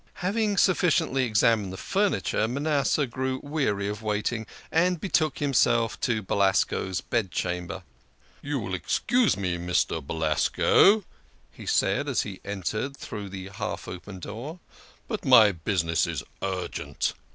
Having sufficiently examined the furniture, Manasseh grew weary of waiting, and betook himself to Belasco's bed chamber. " You will excuse me, Mr. Belasco," he said, as he entered through the half open door, " but my business is urgent."